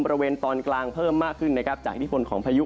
บริเวณตอนกลางเพิ่มมากขึ้นนะครับจากอิทธิพลของพายุ